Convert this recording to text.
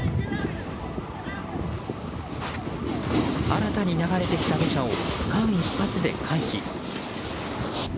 新たに流れてきた土砂を間一髪で回避。